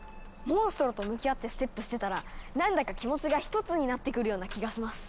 モンストロと向き合ってステップしてたら何だか気持ちが１つになってくるような気がします。